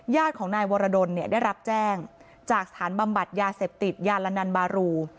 ญาติของนายวรดลได้รับแจ้งจากสถานบำบัดยาเสพติดยาลานันบารู